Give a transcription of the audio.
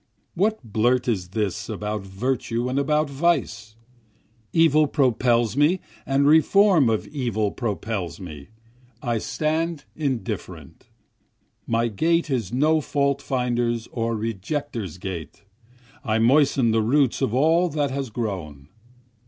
What blurt is this about virtue and about vice? Evil propels me and reform of evil propels me, I stand indifferent, My gait is no fault finder's or rejecter's gait, I moisten the roots of all that has grown.